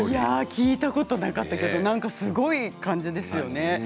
聞いたことなかったけどすごい感じですね。